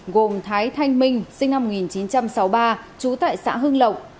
gồm thái thanh minh sinh năm một nghìn chín trăm sáu mươi ba trú tại xã hưng lộc